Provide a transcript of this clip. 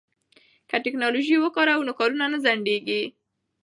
که ټیکنالوژي وکاروو نو کارونه نه ځنډیږي.